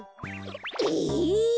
え！？